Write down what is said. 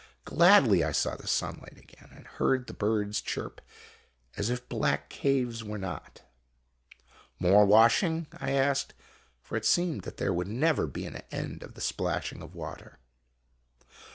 Gladly I saw the sunlight again, and heard the birds chirp as if black caves were not. " More washing? " I asked ; for it seemed that there would never be an end of the plashing of water.